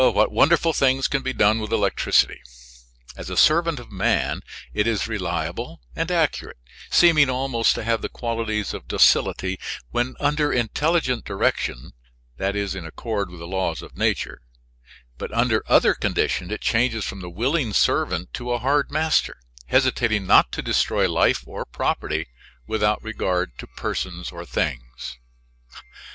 What wonderful things can be done with electricity! As a servant of man it is reliable and accurate seeming almost to have the qualities of docility when under intelligent direction, that is in accord with the laws of nature; but under other conditions it changes from the willing servant to a hard master, hesitating not to destroy life or property without regard to persons or things.